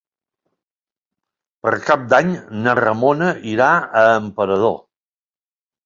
Per Cap d'Any na Ramona irà a Emperador.